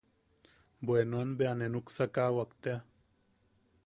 Bea nuen bea nuksakawak tea.